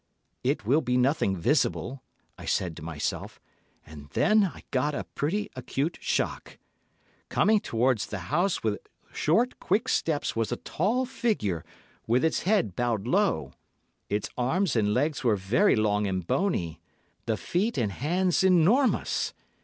'It will be nothing visible,' I said to myself, and then I got a pretty acute shock. Coming towards the house with short, quick steps was a tall figure, with its head bowed low. Its arms and legs were very long and bony, the feet and hands enormous.